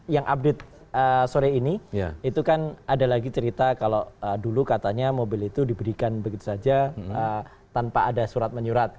yang update sore ini itu kan ada lagi cerita kalau dulu katanya mobil itu diberikan begitu saja tanpa ada surat menyurat